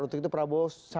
untuk itu prabowo